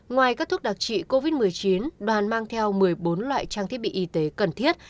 ngoài các thuốc đặc trị covid một mươi chín đoàn mang theo một mươi bốn loại trang thiết bị y tế cần thiết